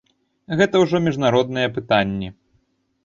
Гэта ўжо міжнародныя пытанні.